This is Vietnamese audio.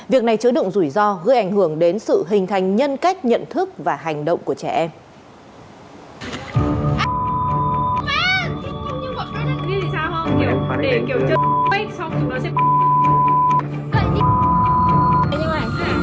việc này chứa đựng rủi ro gây ảnh hưởng đến sự hình thành nhân cách nhận thức và hành động của trẻ em